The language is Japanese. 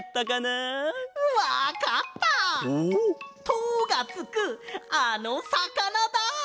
「と」がつくあのさかなだ！